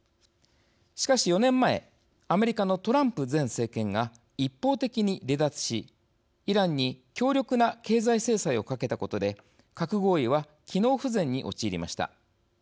しかし、４年前アメリカのトランプ前政権が一方的に離脱しイランに強力な経済制裁をかけたことで核合意は機能不全に陥りました。